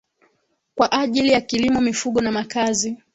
kwa ajili ya kilimo mifugo na makazi